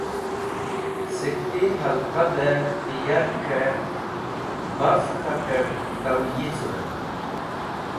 Sẽk ti helqab ti yakẽ baf k̃hakẽr to yicũvẽn.